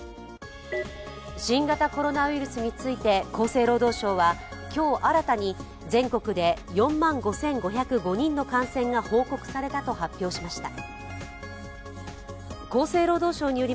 新型コロナウイルスについて厚生労働省は今日新たに全国で４万５５０５人の感染が報告されたと発表しました。